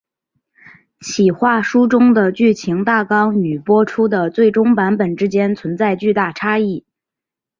企划书中的剧情大纲与播出的最终版本之间存在巨大差异。